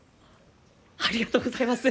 ありがとうございます！